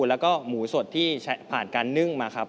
แล้วก็หมูสดที่ผ่านการนึ่งมาครับ